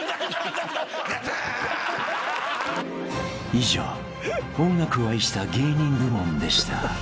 ［以上音楽を愛した芸人部門でした］